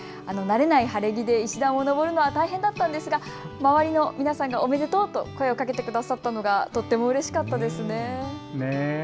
慣れない晴れ着で石段を登るのは大変だったんですが、周りの皆さんがおめでとうと声をかけてくださったのがとてもうれしかったですね。